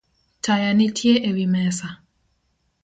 Taya nitie ewi mesa